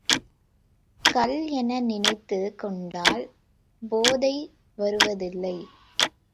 கள் என நினைத்துக் கொண்டால் போதை வருவதில்லை.